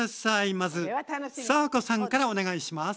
まず佐和子さんからお願いします！